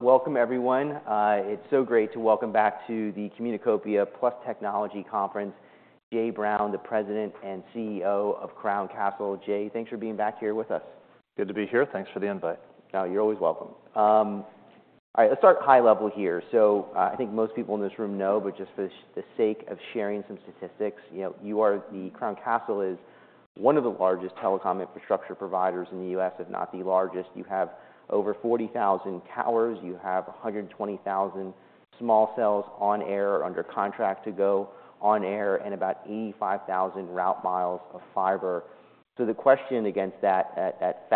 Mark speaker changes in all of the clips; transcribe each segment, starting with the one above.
Speaker 1: Welcome, everyone. It's so great to welcome back to the Communacopia + Technology Conference, Jay Brown, the President and CEO of Crown Castle. Jay, thanks for being back here with us.
Speaker 2: Good to be here. Thanks for the invite.
Speaker 1: Oh, you're always welcome. All right, let's start high level here. So, I think most people in this room know, but just for the sake of sharing some statistics, you know, the Crown Castle is one of the largest telecom infrastructure providers in the U.S., if not the largest. You have over 40,000 towers. You have 120,000 small cells on air, under contract to go on air, and about 85,000 route miles of fiber. So the question against that, that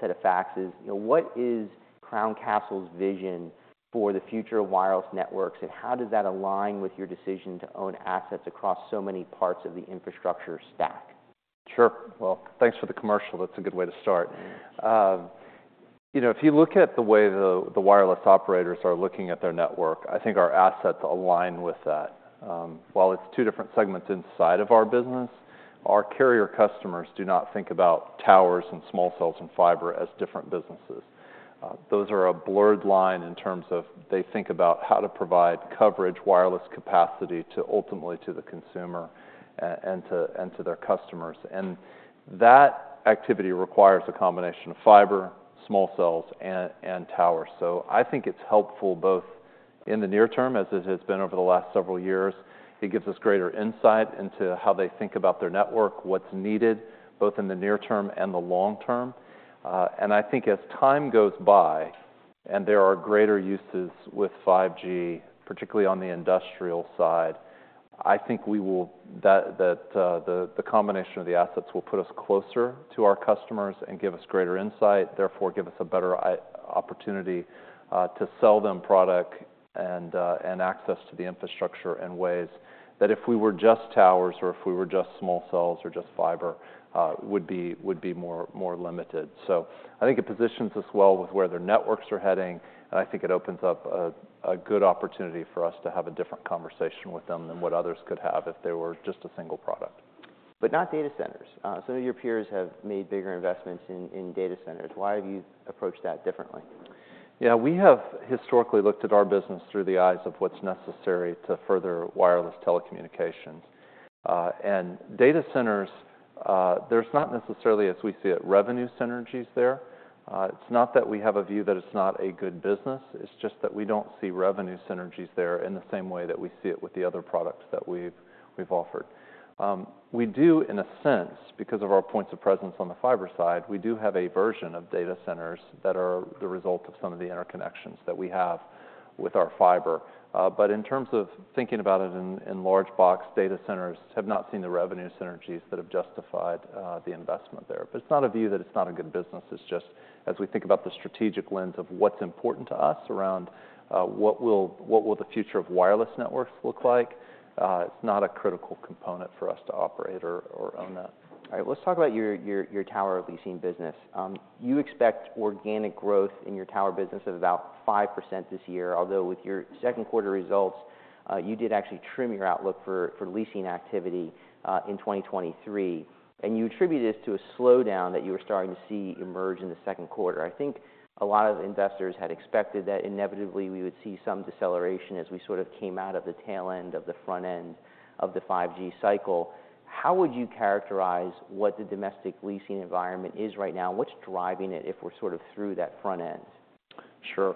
Speaker 1: set of facts is, you know, what is Crown Castle's vision for the future of wireless networks, and how does that align with your decision to own assets across so many parts of the infrastructure stack?
Speaker 2: Sure. Well, thanks for the commercial. That's a good way to start. You know, if you look at the way the wireless operators are looking at their network, I think our assets align with that. While it's two different segments inside of our business, our carrier customers do not think about towers and small cells and fiber as different businesses. Those are a blurred line in terms of they think about how to provide coverage, wireless capacity to ultimately the consumer, and to their customers. And that activity requires a combination of fiber, small cells, and towers. So I think it's helpful both in the near-term, as it has been over the last several years. It gives us greater insight into how they think about their network, what's needed, both in the near-term and the long-term. And I think as time goes by and there are greater uses with 5G, particularly on the industrial side, I think the combination of the assets will put us closer to our customers and give us greater insight, therefore, give us a better opportunity to sell them product and access to the infrastructure in ways that if we were just towers or if we were just small cells or just fiber would be more limited. So I think it positions us well with where their networks are heading, and I think it opens up a good opportunity for us to have a different conversation with them than what others could have if they were just a single product.
Speaker 1: But not data centers. Some of your peers have made bigger investments in data centers. Why have you approached that differently?
Speaker 2: Yeah, we have historically looked at our business through the eyes of what's necessary to further wireless telecommunications. And data centers, there's not necessarily, as we see it, revenue synergies there. It's not that we have a view that it's not a good business, it's just that we don't see revenue synergies there in the same way that we see it with the other products that we've offered. We do in a sense, because of our points of presence on the fiber side, we do have a version of data centers that are the result of some of the interconnections that we have with our fiber. But in terms of thinking about it in large box data centers, they have not seen the revenue synergies that have justified the investment there. But it's not a view that it's not a good business, it's just as we think about the strategic lens of what's important to us around, what will the future of wireless networks look like? It's not a critical component for us to operate or own that.
Speaker 1: All right, let's talk about your tower leasing business. You expect organic growth in your tower business of about 5% this year, although with your second quarter results, you did actually trim your outlook for leasing activity in 2023. You attribute this to a slowdown that you were starting to see emerge in the second quarter. I think a lot of investors had expected that inevitably we would see some deceleration as we sort of came out of the tail end of the front end of the 5G cycle. How would you characterize what the domestic leasing environment is right now, and what's driving it if we're sort of through that front end?
Speaker 2: Sure.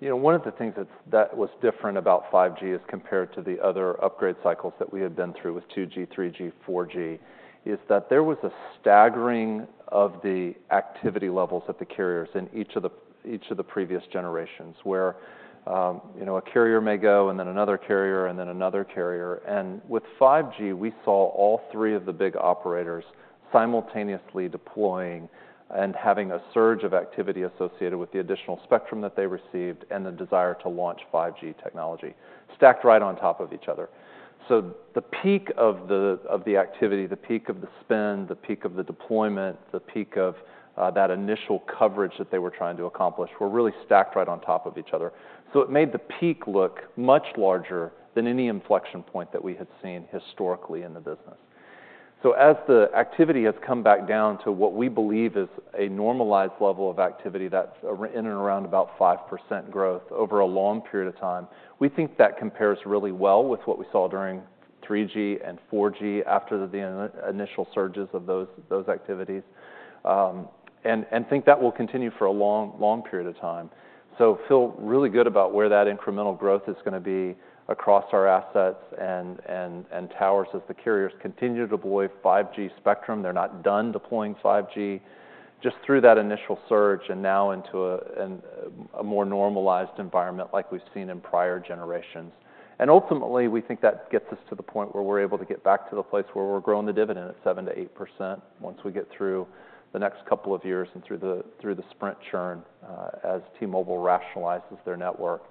Speaker 2: You know, one of the things that was different about 5G as compared to the other upgrade cycles that we had been through with 2G, 3G, 4G, is that there was a staggering of the activity levels of the carriers in each of the previous generations, where, you know, a carrier may go, and then another carrier, and then another carrier. And with 5G, we saw all three of the big operators simultaneously deploying and having a surge of activity associated with the additional spectrum that they received and the desire to launch 5G technology, stacked right on top of each other. So the peak of the activity, the peak of the spend, the peak of the deployment, the peak of that initial coverage that they were trying to accomplish, were really stacked right on top of each other. So it made the peak look much larger than any inflection point that we had seen historically in the business. So as the activity has come back down to what we believe is a normalized level of activity, that's in and around about 5% growth over a long period of time, we think that compares really well with what we saw during 3G and 4G, after the initial surges of those activities, and think that will continue for a long period of time. So feel really good about where that incremental growth is going to be across our assets and towers as the carriers continue to deploy 5G spectrum. They're not done deploying 5G, just through that initial surge and now into a more normalized environment like we've seen in prior generations. Ultimately, we think that gets us to the point where we're able to get back to the place where we're growing the dividend at 7%-8% once we get through the next couple of years and through the Sprint churn, as T-Mobile rationalizes their network,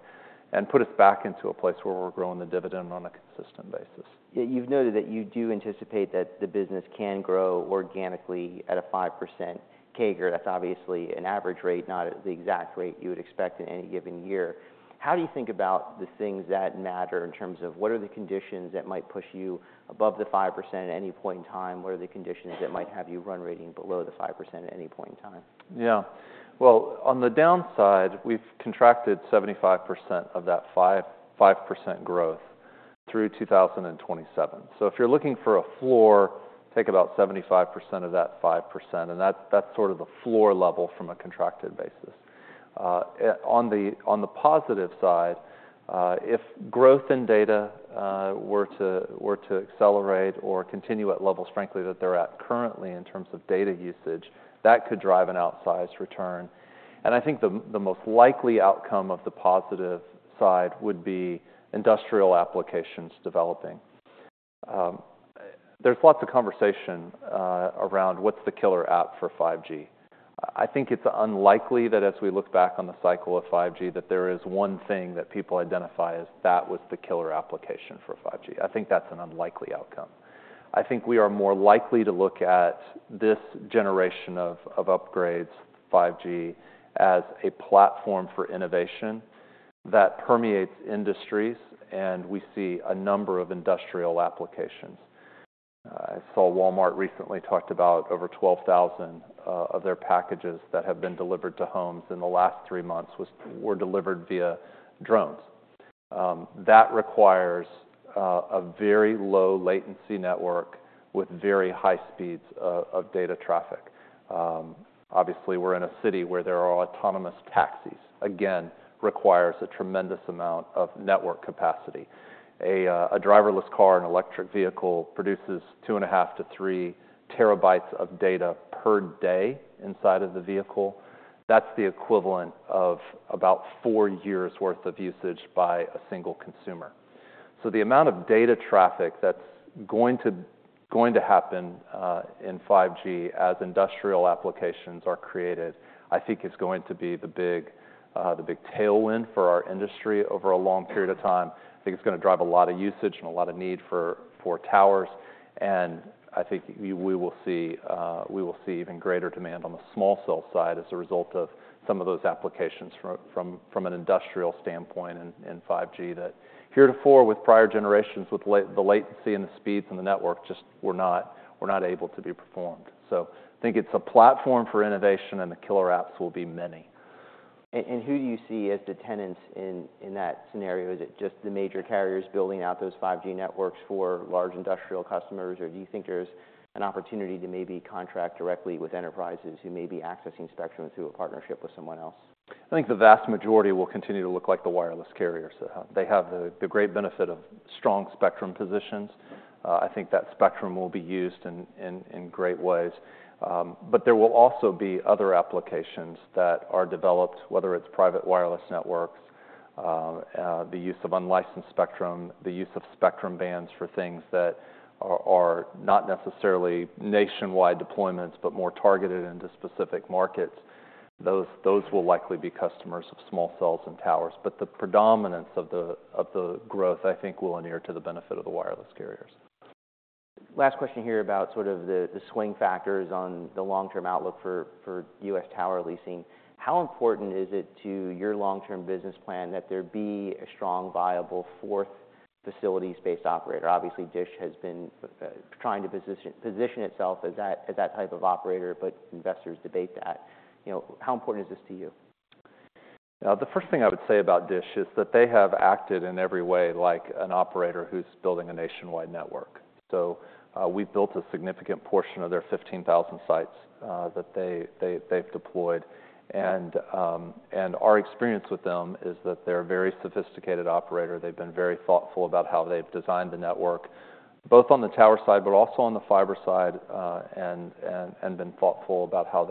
Speaker 2: and put us back into a place where we're growing the dividend on a consistent basis.
Speaker 1: Yeah, you've noted that you do anticipate that the business can grow organically at a 5% CAGR. That's obviously an average rate, not the exact rate you would expect in any given year. How do you think about the things that matter in terms of what are the conditions that might push you above the 5% at any point in time? What are the conditions that might have you run rating below the 5% at any point in time?
Speaker 2: Yeah. Well, on the downside, we've contracted 75% of that 5% growth through 2027. So if you're looking for a floor, take about 75% of that 5%, and that, that's sort of the floor level from a contracted basis. On the positive side, if growth in data were to accelerate or continue at levels, frankly, that they're at currently in terms of data usage, that could drive an outsized return. And I think the most likely outcome of the positive side would be industrial applications developing. There's lots of conversation around what's the killer app for 5G. I think it's unlikely that as we look back on the cycle of 5G, that there is one thing that people identify as that was the killer application for 5G. I think that's an unlikely outcome. I think we are more likely to look at this generation of, of upgrades, 5G, as a platform for innovation that permeates industries, and we see a number of industrial applications. I saw Walmart recently talked about over 12,000 of their packages that have been delivered to homes in the last 3 months were delivered via drones. That requires a very low latency network with very high speeds of data traffic. Obviously, we're in a city where there are autonomous taxis. Again, requires a tremendous amount of network capacity. A driverless car, an electric vehicle, produces 2.5 TB-3 TB of data per day inside of the vehicle. That's the equivalent of about four years worth of usage by a single consumer. So the amount of data traffic that's going to happen in 5G as industrial applications are created, I think is going to be the big tailwind for our industry over a long period of time. I think it's going to drive a lot of usage and a lot of need for towers, and I think we will see even greater demand on the small cell side as a result of some of those applications from an industrial standpoint in 5G, that heretofore with prior generations, with the latency and the speeds and the network just were not able to be performed. So I think it's a platform for innovation, and the killer apps will be many.
Speaker 1: And who do you see as the tenants in that scenario? Is it just the major carriers building out those 5G networks for large industrial customers, or do you think there's an opportunity to maybe contract directly with enterprises who may be accessing spectrum through a partnership with someone else?
Speaker 2: I think the vast majority will continue to look like the wireless carriers. They have the great benefit of strong spectrum positions. I think that spectrum will be used in great ways. But there will also be other applications that are developed, whether it's private wireless networks, the use of unlicensed spectrum, the use of spectrum bands for things that are not necessarily nationwide deployments, but more targeted into specific markets. Those will likely be customers of small cells and towers. But the predominance of the growth, I think, will inhere to the benefit of the wireless carriers.
Speaker 1: Last question here about sort of the swing factors on the long-term outlook for U.S. tower leasing. How important is it to your long-term business plan that there be a strong, viable fourth facilities-based operator? Obviously, DISH has been trying to position itself as that type of operator, but investors debate that. You know, how important is this to you?
Speaker 2: The first thing I would say about DISH is that they have acted in every way like an operator who’s building a nationwide network. So, we’ve built a significant portion of their 15,000 sites that they’ve deployed. And our experience with them is that they’re a very sophisticated operator. They’ve been very thoughtful about how they’ve designed the network, both on the tower side, but also on the fiber side, and been thoughtful about how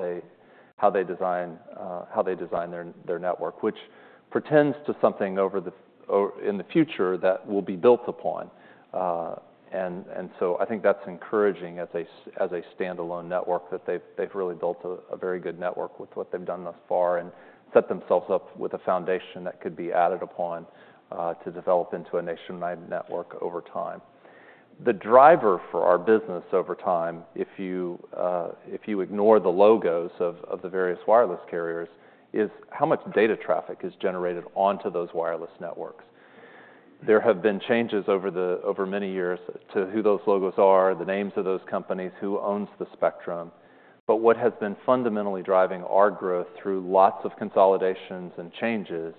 Speaker 2: they design their network, which portends to something over, in the future that will be built upon. So I think that's encouraging as a standalone network, that they've really built a very good network with what they've done thus far and set themselves up with a foundation that could be added upon to develop into a nationwide network over time. The driver for our business over time, if you ignore the logos of the various wireless carriers, is how much data traffic is generated onto those wireless networks. There have been changes over many years to who those logos are, the names of those companies, who owns the spectrum, but what has been fundamentally driving our growth through lots of consolidations and changes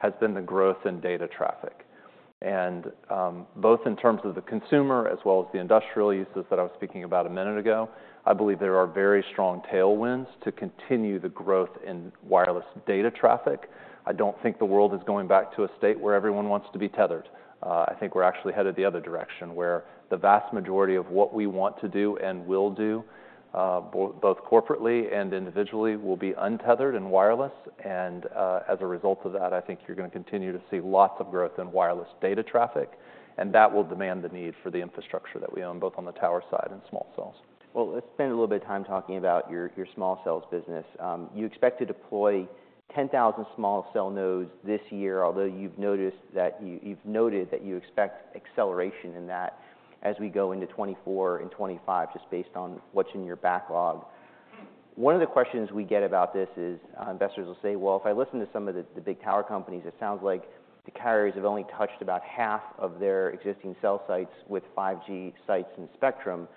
Speaker 2: has been the growth in data traffic. Both in terms of the consumer, as well as the industrial uses that I was speaking about a minute ago, I believe there are very strong tailwinds to continue the growth in wireless data traffic. I don't think the world is going back to a state where everyone wants to be tethered. I think we're actually headed the other direction, where the vast majority of what we want to do and will do, both corporately and individually, will be untethered and wireless, and, as a result of that, I think you're going to continue to see lots of growth in wireless data traffic, and that will demand the need for the infrastructure that we own, both on the tower side and small cells.
Speaker 1: Well, let's spend a little bit of time talking about your, your small cells business. You expect to deploy 10,000 small cell nodes this year, although you've noted that you expect acceleration in that as we go into 2024 and 2025, just based on what's in your backlog. One of the questions we get about this is, investors will say, "Well, if I listen to some of the big tower companies, it sounds like the carriers have only touched about half of their existing cell sites with 5G sites and spectrum.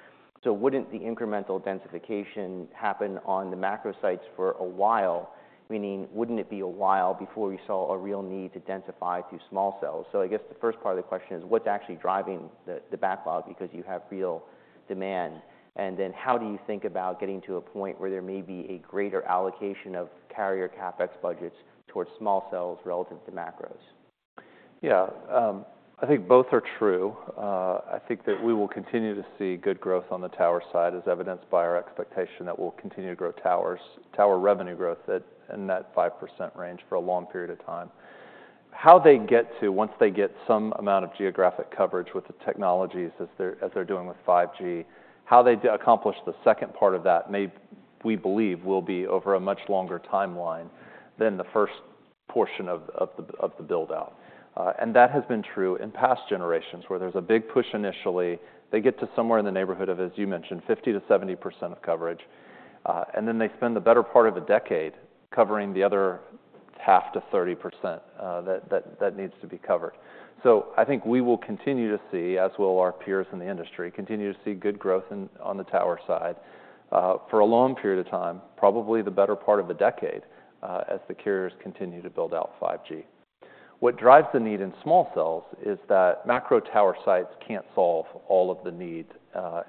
Speaker 1: So wouldn't the incremental densification happen on the macro sites for a while? Meaning, wouldn't it be a while before we saw a real need to densify through small cells?" So I guess the first part of the question is, what's actually driving the backlog because you have real demand? And then how do you think about getting to a point where there may be a greater allocation of carrier CapEx budgets towards small cells relative to macros?
Speaker 2: Yeah. I think both are true. I think that we will continue to see good growth on the tower side, as evidenced by our expectation that we'll continue to grow tower revenue growth at, in that 5% range for a long period of time. How they get to once they get some amount of geographic coverage with the technologies as they're doing with 5G, how they accomplish the second part of that may, we believe, will be over a much longer timeline than the first portion of the build-out. And that has been true in past generations, where there's a big push initially. They get to somewhere in the neighborhood of, as you mentioned, 50%-70% of coverage, and then they spend the better part of a decade covering the other half to 30%, that needs to be covered. So I think we will continue to see, as will our peers in the industry, continue to see good growth on the tower side, for a long period of time, probably the better part of a decade, as the carriers continue to build out 5G. What drives the need in small cells is that macro tower sites can't solve all of the needs,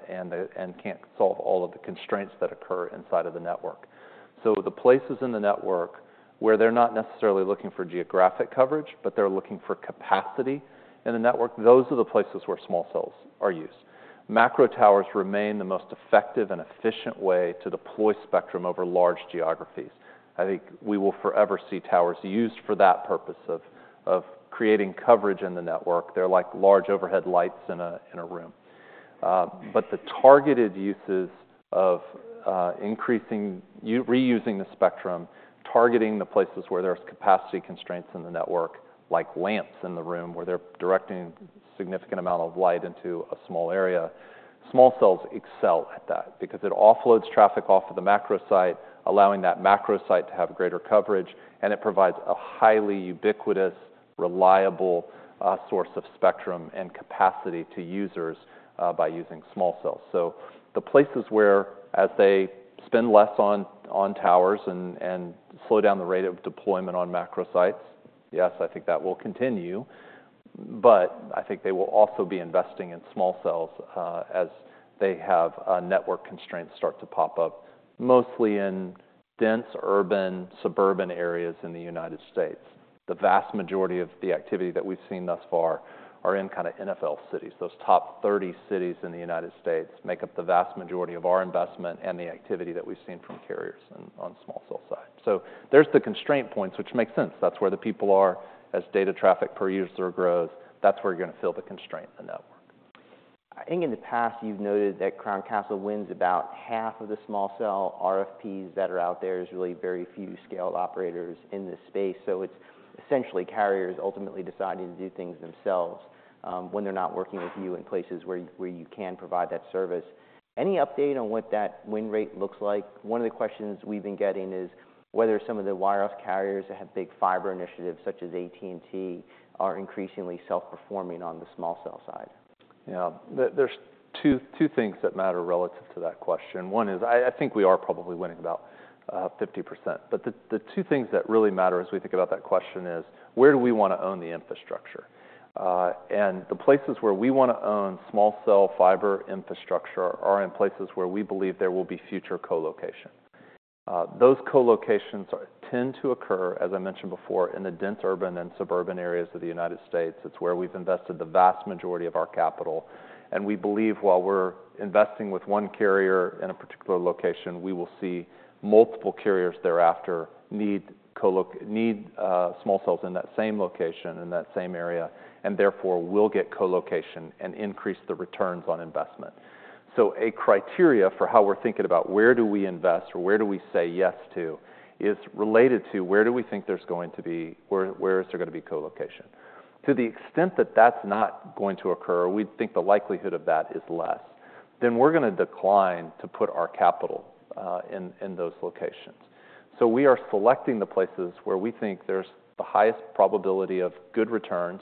Speaker 2: and can't solve all of the constraints that occur inside of the network. So the places in the network where they're not necessarily looking for geographic coverage, but they're looking for capacity in the network, those are the places where small cells are used. Macro Towers remain the most effective and efficient way to deploy spectrum over large geographies. I think we will forever see towers used for that purpose of creating coverage in the network. They're like large overhead lights in a room. But the targeted uses of increasing, reusing the spectrum, targeting the places where there's capacity constraints in the network, like lamps in the room, where they're directing significant amount of light into a small area, small cells excel at that because it offloads traffic off of the macro site, allowing that macro site to have greater coverage, and it provides a highly ubiquitous, reliable source of spectrum and capacity to users by using small cells. So the places where, as they spend less on towers and slow down the rate of deployment on macro sites, yes, I think that will continue, but I think they will also be investing in small cells as they have network constraints start to pop up, mostly in dense, urban, suburban areas in the United States. The vast majority of the activity that we've seen thus far are in kind of NFL cities. Those top 30 cities in the United States make up the vast majority of our investment and the activity that we've seen from carriers on, on small cell sites. So there's the constraint points, which makes sense. That's where the people are. As data traffic per user grows, that's where you're going to feel the constraint in the network.
Speaker 1: I think in the past, you've noted that Crown Castle wins about half of the small cell RFPs that are out there. There's really very few scaled operators in this space, so it's essentially carriers ultimately deciding to do things themselves, when they're not working with you in places where you can provide that service. Any update on what that win rate looks like? One of the questions we've been getting is whether some of the wireless carriers that have big fiber initiatives, such as AT&T, are increasingly self-performing on the small cell side.
Speaker 2: Yeah. There's two things that matter relative to that question. One is I think we are probably winning about 50%, but the two things that really matter as we think about that question is, where do we wanna own the infrastructure? And the places where we wanna own small cell fiber infrastructure are in places where we believe there will be future co-location. Those co-locations tend to occur, as I mentioned before, in the dense urban and suburban areas of the United States. It's where we've invested the vast majority of our capital, and we believe while we're investing with one carrier in a particular location, we will see multiple carriers thereafter need small cells in that same location, in that same area, and therefore will get co-location and increase the returns on investment. So a criteria for how we're thinking about where do we invest or where do we say yes to is related to where do we think there's going to be where is there going to be co-location? To the extent that that's not going to occur, we think the likelihood of that is less, then we're going to decline to put our capital in those locations. So we are selecting the places where we think there's the highest probability of good returns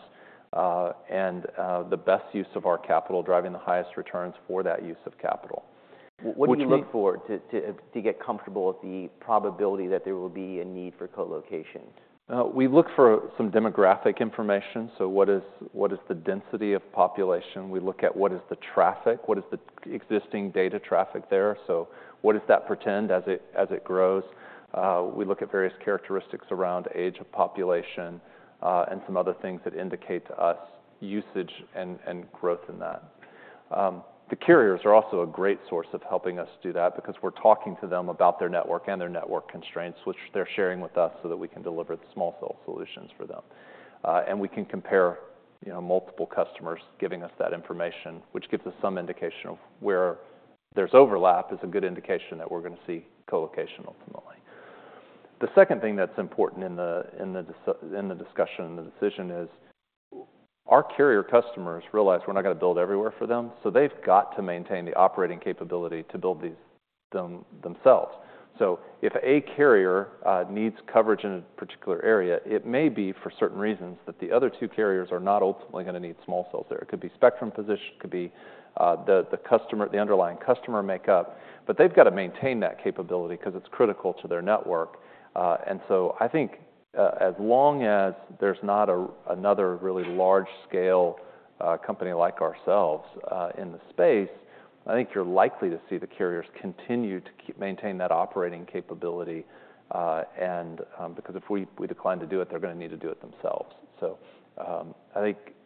Speaker 2: and the best use of our capital, driving the highest returns for that use of capital. Which means-
Speaker 1: What do you look for to get comfortable with the probability that there will be a need for co-location?
Speaker 2: We look for some demographic information, so what is the density of population? We look at what is the traffic, what is the existing data traffic there? So what does that portend as it grows? We look at various characteristics around age of population, and some other things that indicate to us usage and growth in that. The carriers are also a great source of helping us do that because we're talking to them about their network and their network constraints, which they're sharing with us so that we can deliver the small cell solutions for them. And we can compare, you know, multiple customers giving us that information, which gives us some indication of where there's overlap, is a good indication that we're going to see co-location. The second thing that's important in the discussion and the decision is, our carrier customers realize we're not going to build everywhere for them, so they've got to maintain the operating capability to build these themselves. So if a carrier needs coverage in a particular area, it may be for certain reasons that the other two carriers are not ultimately going to need small cells there. It could be spectrum position, it could be the underlying customer makeup, but they've got to maintain that capability because it's critical to their network. And so I think, as long as there's not another really large-scale company like ourselves in the space, I think you're likely to see the carriers continue to keep maintaining that operating capability. Because if we decline to do it, they're going to need to do it themselves. So,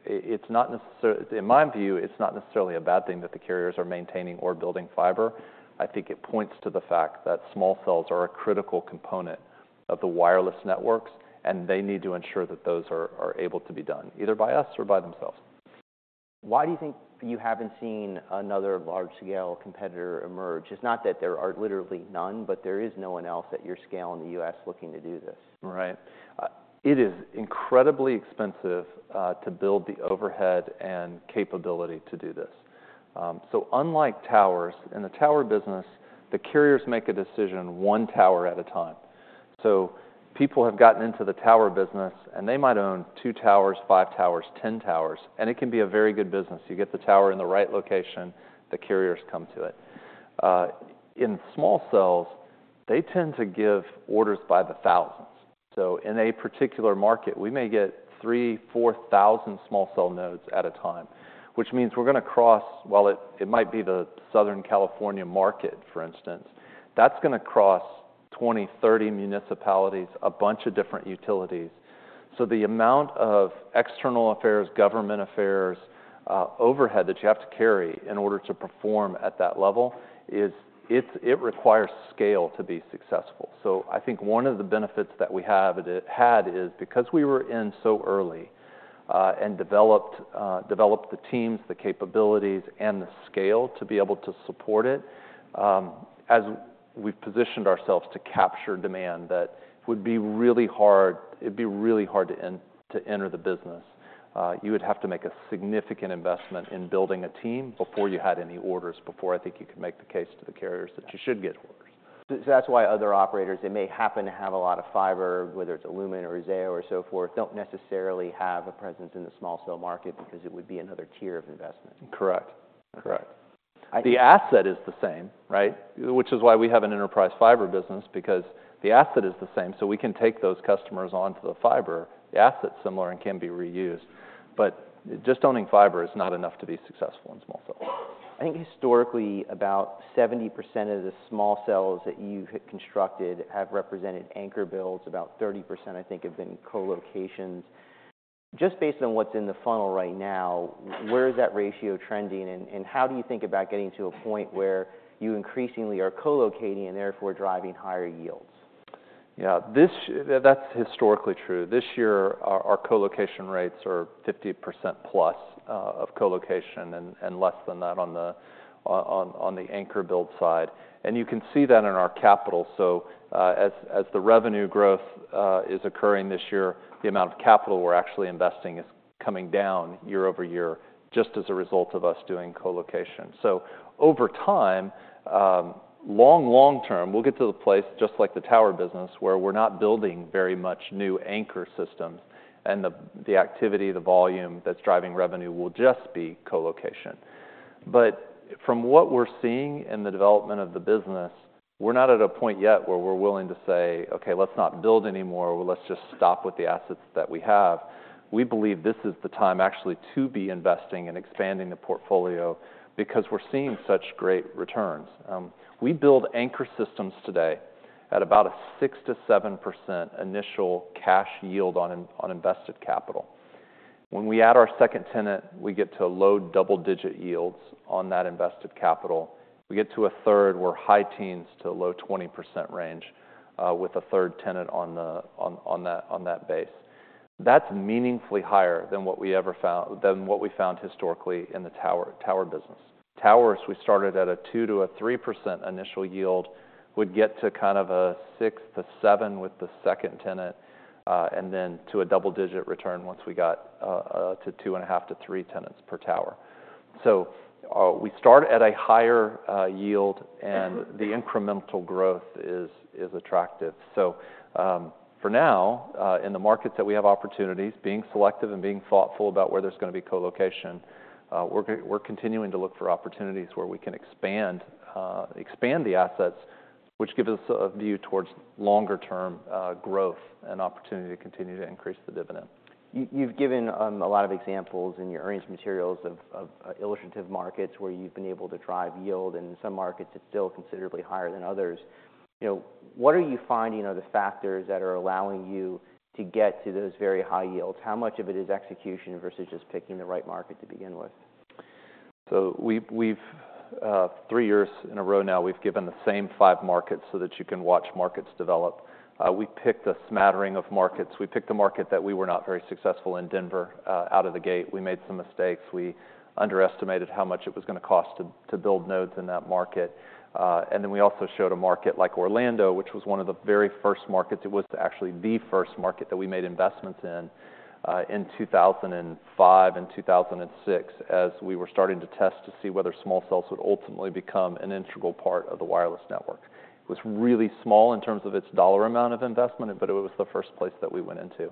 Speaker 2: in my view, it's not necessarily a bad thing that the carriers are maintaining or building fiber. I think it points to the fact that small cells are a critical component of the wireless networks, and they need to ensure that those are able to be done, either by us or by themselves.
Speaker 1: Why do you think you haven't seen another large-scale competitor emerge? It's not that there are literally none, but there is no one else at your scale in the U.S. looking to do this.
Speaker 2: Right. It is incredibly expensive to build the overhead and capability to do this. So unlike towers, in the tower business, the carriers make a decision one tower at a time. So people have gotten into the tower business, and they might own two towers, five towers, 10 towers, and it can be a very good business. You get the tower in the right location, the carriers come to it. In small cells, they tend to give orders by the thousands. So in a particular market, we may get 3,000, 4,000 small cell nodes at a time, which means we're going to cross—while it might be the Southern California market, for instance, that's going to cross 20, 30 municipalities, a bunch of different utilities. So the amount of external affairs, government affairs, overhead that you have to carry in order to perform at that level is. It's it requires scale to be successful. So I think one of the benefits that we have and it had is, because we were in so early, and developed the teams, the capabilities, and the scale to be able to support it, as we've positioned ourselves to capture demand, that it'd be really hard to enter the business. You would have to make a significant investment in building a team before you had any orders, before I think you could make the case to the carriers that you should get orders.
Speaker 1: So that's why other operators, they may happen to have a lot of fiber, whether it's Lumen or Zayo, or so forth, don't necessarily have a presence in the small cell market because it would be another tier of investment.
Speaker 2: Correct. Correct. The asset is the same, right? Which is why we have an enterprise fiber business, because the asset is the same, so we can take those customers onto the fiber. The asset's similar and can be reused, but just owning fiber is not enough to be successful in small cells.
Speaker 1: I think historically, about 70% of the small cells that you've constructed have represented anchor builds. About 30%, I think, have been co-locations. Just based on what's in the funnel right now, where is that ratio trending, and how do you think about getting to a point where you increasingly are co-locating and therefore driving higher yields?
Speaker 2: Yeah, that's historically true. This year, our co-location rates are 50%+ of co-location and less than that on the anchor build side. And you can see that in our capital. So, as the revenue growth is occurring this year, the amount of capital we're actually investing is coming down year-over-year, just as a result of us doing co-location. So over time, long-term, we'll get to the place, just like the tower business, where we're not building very much new anchor systems, and the activity, the volume that's driving revenue will just be co-location. But from what we're seeing in the development of the business, we're not at a point yet where we're willing to say, "Okay, let's not build anymore, or let's just stop with the assets that we have." We believe this is the time actually to be investing and expanding the portfolio because we're seeing such great returns. We build anchor systems today at about a 6%-7% initial cash yield on invested capital. When we add our second tenant, we get to low double-digit yields on that invested capital. We get to a third, we're high teens to a low 20% range, with a third tenant on that base. That's meaningfully higher than what we found historically in the tower business. Towers, we started at a 2%-3% initial yield, would get to kind of a 6%-7% with the second tenant, and then to a double-digit return once we got to 2.5-3 tenants per tower. So, we start at a higher yield, and the incremental growth is attractive. So, for now, in the markets that we have opportunities, being selective and being thoughtful about where there's going to be co-location, we're continuing to look for opportunities where we can expand the assets, which gives us a view towards longer-term growth and opportunity to continue to increase the dividend.
Speaker 1: You've given a lot of examples in your earnings materials of illustrative markets where you've been able to drive yield, and in some markets, it's still considerably higher than others. You know, what are you finding are the factors that are allowing you to get to those very high yields? How much of it is execution versus just picking the right market to begin with?
Speaker 2: So we've three years in a row now, we've given the same five markets so that you can watch markets develop. We picked a smattering of markets. We picked a market that we were not very successful in, Denver, out of the gate. We made some mistakes. We underestimated how much it was going to cost to build nodes in that market. And then we also showed a market like Orlando, which was one of the very first markets. It was actually the first market that we made investments in, in 2005 and 2006, as we were starting to test to see whether small cells would ultimately become an integral part of the wireless network. It was really small in terms of its dollar amount of investment, but it was the first place that we went into.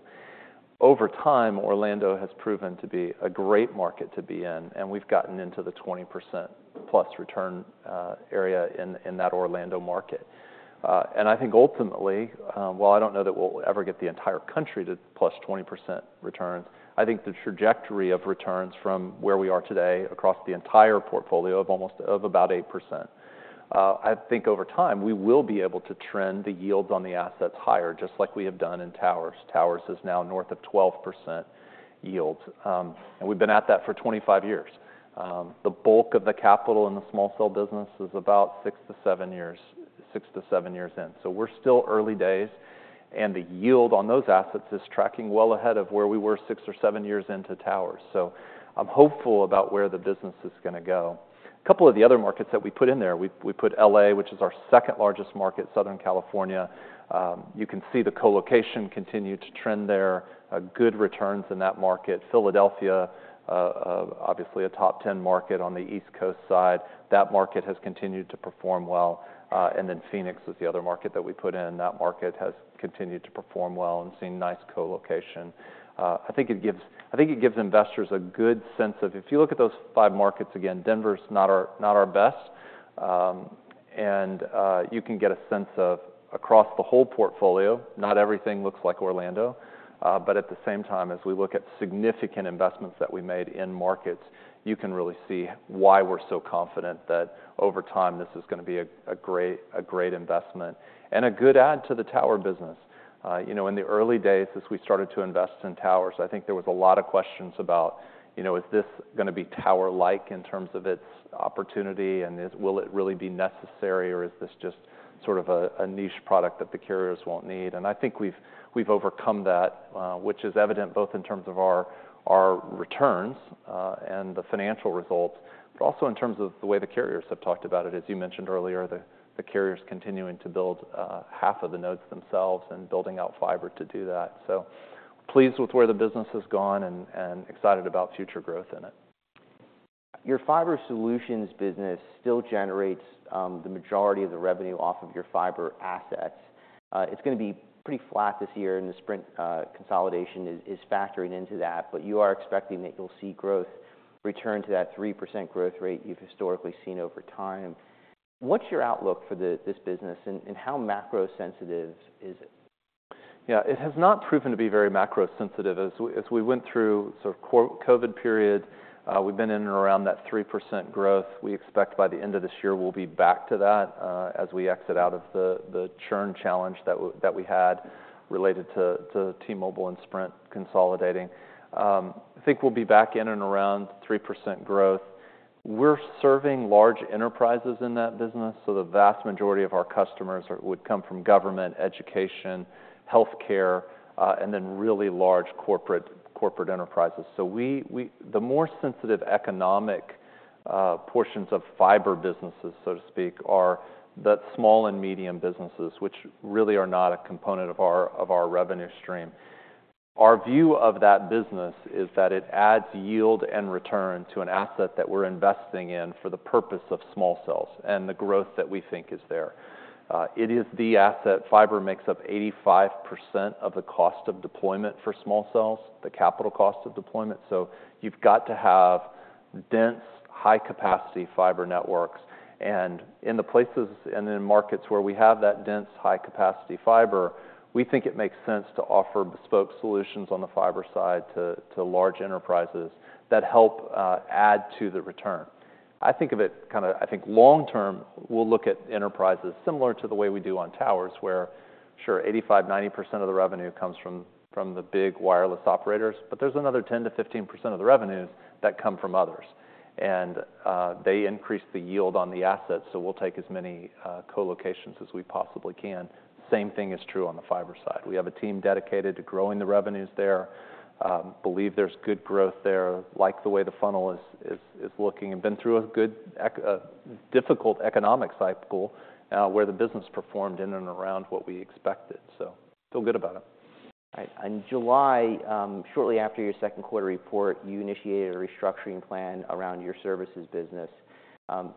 Speaker 2: Over time, Orlando has proven to be a great market to be in, and we've gotten into the 20%+ return area in that Orlando market. And I think ultimately, while I don't know that we'll ever get the entire country to +20% returns, I think the trajectory of returns from where we are today across the entire portfolio of about 8%, I think over time, we will be able to trend the yields on the assets higher, just like we have done in towers. Towers is now north of 12% yields. And we've been at that for 25 years. The bulk of the capital in the small cell business is about six to seven years in. So we're still early days, and the yield on those assets is tracking well ahead of where we were six or seven years into towers. So I'm hopeful about where the business is going to go. A couple of the other markets that we put in there, we put L.A., which is our second largest market, Southern California. You can see the co-location continue to trend there, good returns in that market. Philadelphia, obviously a top 10 market on the East Coast side, that market has continued to perform well. And then Phoenix is the other market that we put in, and that market has continued to perform well and seen nice co-location. I think it gives investors a good sense of, if you look at those five markets, again, Denver's not our best, and you can get a sense of across the whole portfolio, not everything looks like Orlando. But at the same time, as we look at significant investments that we made in markets, you can really see why we're so confident that over time, this is going to be a great investment and a good add to the tower business. You know, in the early days, as we started to invest in towers, I think there was a lot of questions about, you know, is this going to be tower-like in terms of its opportunity, and will it really be necessary, or is this just sort of a niche product that the carriers won't need? I think we've overcome that, which is evident both in terms of our returns and the financial results, but also in terms of the way the carriers have talked about it. As you mentioned earlier, the carriers continuing to build half of the nodes themselves and building out fiber to do that. So pleased with where the business has gone and excited about future growth in it.
Speaker 1: Your fiber solutions business still generates the majority of the revenue off of your fiber assets. It's going to be pretty flat this year, and the Sprint consolidation is factoring into that, but you are expecting that you'll see growth return to that 3% growth rate you've historically seen over time. What's your outlook for this business, and how macro sensitive is it?
Speaker 2: Yeah, it has not proven to be very macro sensitive. As we went through sort of COVID period, we've been in and around that 3% growth. We expect by the end of this year, we'll be back to that, as we exit out of the churn challenge that we had related to T-Mobile and Sprint consolidating. I think we'll be back in and around 3% growth. We're serving large enterprises in that business, so the vast majority of our customers would come from government, education, healthcare, and then really large corporate enterprises. So, the more sensitive economic portions of fiber businesses, so to speak, are the small and medium businesses, which really are not a component of our revenue stream. Our view of that business is that it adds yield and return to an asset that we're investing in for the purpose of small cells and the growth that we think is there. It is the asset. Fiber makes up 85% of the cost of deployment for small cells, the capital cost of deployment, so you've got to have dense, high-capacity fiber networks. In the places and in markets where we have that dense, high-capacity fiber, we think it makes sense to offer bespoke solutions on the fiber side to, to large enterprises that help, add to the return. I think long-term, we'll look at enterprises similar to the way we do on towers, where sure, 85%, 90% of the revenue comes from the big wireless operators, but there's another 10%-15% of the revenues that come from others. And they increase the yield on the assets, so we'll take as many co-locations as we possibly can. Same thing is true on the fiber side. We have a team dedicated to growing the revenues there, believe there's good growth there, like the way the funnel is looking, and been through a good, difficult economic cycle, where the business performed in and around what we expected, so feel good about it.
Speaker 1: All right. In July, shortly after your second quarter report, you initiated a restructuring plan around your services business.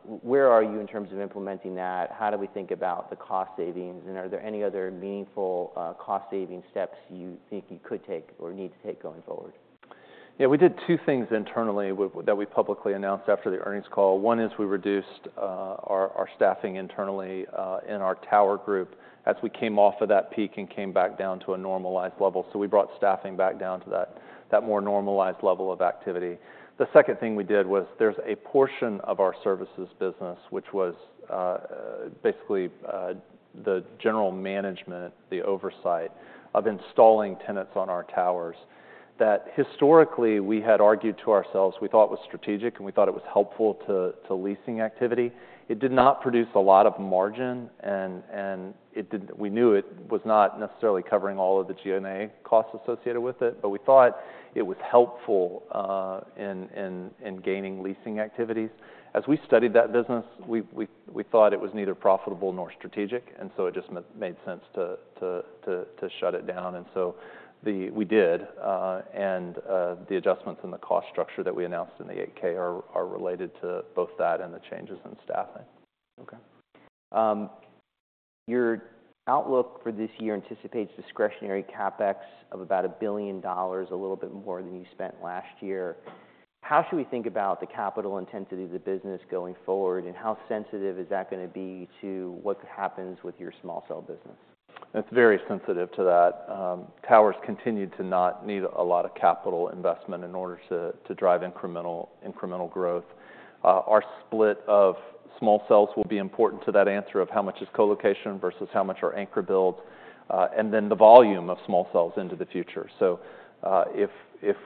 Speaker 1: Where are you in terms of implementing that? How do we think about the cost savings, and are there any other meaningful cost-saving steps you think you could take or need to take going forward?
Speaker 2: Yeah, we did two things internally that we publicly announced after the earnings call. One is we reduced our staffing internally in our tower group as we came off of that peak and came back down to a normalized level. So we brought staffing back down to that more normalized level of activity. The second thing we did was, there's a portion of our services business, which was basically the general management, the oversight of installing tenants on our towers that historically, we had argued to ourselves, we thought it was strategic, and we thought it was helpful to leasing activity. It did not produce a lot of margin, and we knew it was not necessarily covering all of the G&A costs associated with it, but we thought it was helpful in gaining leasing activities. As we studied that business, we thought it was neither profitable nor strategic, and so it just made sense to shut it down. And so we did, and the adjustments in the cost structure that we announced in the 8-K are related to both that and the changes in staffing.
Speaker 1: Okay. Your outlook for this year anticipates discretionary CapEx of about $1 billion, a little bit more than you spent last year. How should we think about the capital intensity of the business going forward, and how sensitive is that going to be to what happens with your small cell business?
Speaker 2: It's very sensitive to that. Towers continue to not need a lot of capital investment in order to drive incremental growth. Our split of small cells will be important to that answer of how much is co-location versus how much are anchor builds, and then the volume of small cells into the future. So, if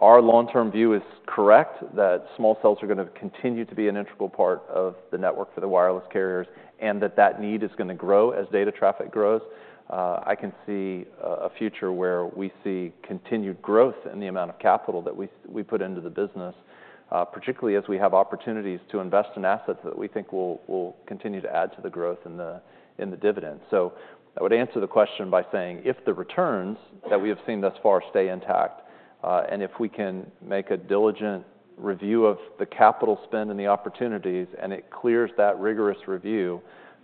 Speaker 2: our long-term view is correct, that small cells are going to continue to be an integral part of the network for the wireless carriers and that that need is going to grow as data traffic grows, I can see a future where we see continued growth in the amount of capital that we put into the business, particularly as we have opportunities to invest in assets that we think will continue to add to the growth in the dividend. So I would answer the question by saying, if the returns that we have seen thus far stay intact, and if we can make a diligent review of the capital spend and the opportunities, and it clears that rigorous review,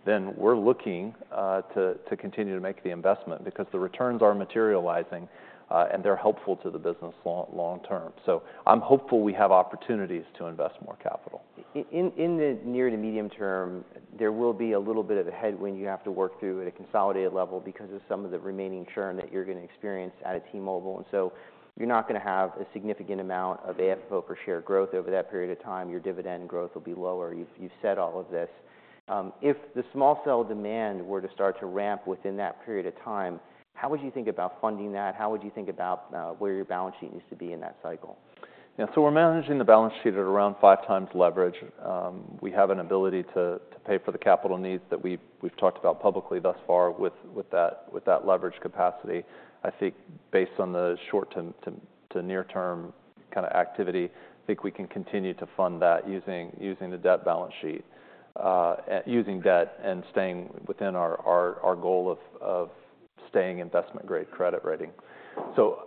Speaker 2: then we're looking to continue to make the investment, because the returns are materializing, and they're helpful to the business long, long-term. So I'm hopeful we have opportunities to invest more capital.
Speaker 1: In the near to medium-term, there will be a little bit of a headwind you have to work through at a consolidated level because of some of the remaining churn that you're going to experience out of T-Mobile, and so you're not going to have a significant amount of AFO per share growth over that period of time. Your dividend growth will be lower. You've said all of this. If the small cell demand were to start to ramp within that period of time, how would you think about funding that? How would you think about where your balance sheet needs to be in that cycle?
Speaker 2: Yeah, so we're managing the balance sheet at around 5x leverage. We have an ability to pay for the capital needs that we've talked about publicly thus far with that leverage capacity. I think based on the short-term to near-term kind of activity, I think we can continue to fund that using the debt balance sheet, using debt and staying within our goal of staying investment-grade credit rating. So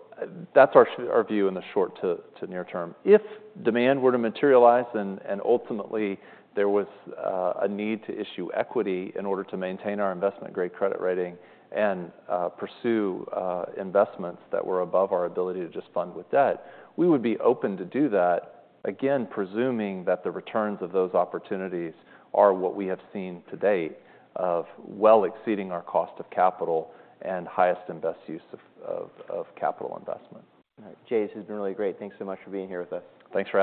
Speaker 2: that's our view in the short to near-term. If demand were to materialize and ultimately there was a need to issue equity in order to maintain our investment-grade credit rating and pursue investments that were above our ability to just fund with debt, we would be open to do that, again, presuming that the returns of those opportunities are what we have seen to date, of well exceeding our cost of capital and highest and best use of capital investment.
Speaker 1: All right. Jay, it's been really great. Thanks so much for being here with us.
Speaker 2: Thanks, Ray.